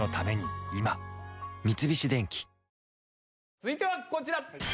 続いてはこちら。